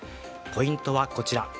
ポイントはこちら。